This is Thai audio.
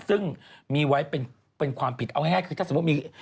ซึ่งมีไว้เป็นความผิดเอาง่ายคือถ้าสมมุติมี